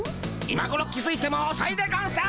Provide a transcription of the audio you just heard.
今ごろ気づいてもおそいでゴンス！